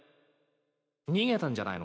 逃げたんじゃないのか？